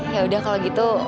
ya udah kalau gitu